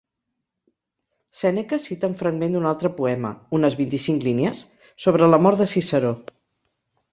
Sèneca cita un fragment d'un altre poema, unes vint-i-cinc línies, sobre la mort de Ciceró.